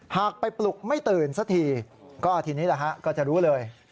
หากไปปลุกไม่ตื่นสักทีก็ทีนี้แหละฮะก็จะรู้เลย